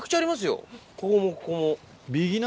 ここもここも。